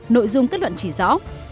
nội dung kết luận chỉ rõ